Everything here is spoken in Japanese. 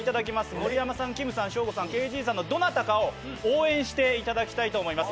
盛山さん、きむさん、ＫＺさん、どなたかを応援していただきたいと思います。